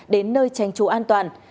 đến nơi tranh trú an toàn